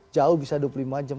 jauh bisa dua puluh lima jam